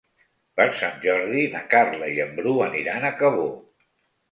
Per Sant Jordi na Carla i en Bru aniran a Cabó.